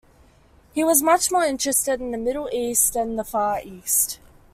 He was much more interested in the Middle East than in the Far East.